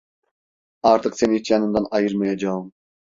Artık seni hiç yanımdan ayırmayacağım!